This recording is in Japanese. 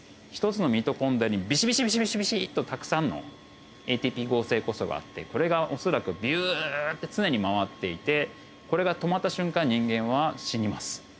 １つのミトコンドリアにビシビシビシビシッとたくさんのＡＴＰ合成酵素があってこれが恐らくビュッて常に回っていてこれが止まった瞬間人間は死にます。